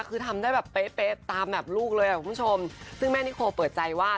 คือทำได้แบบเป๊ะตามแบบลูกเลยอ่ะคุณผู้ชมซึ่งแม่นิโคเปิดใจว่า